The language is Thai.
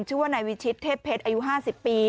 ชื่อว่านายวิชิตเทพเพชรอายุ๕๐ปี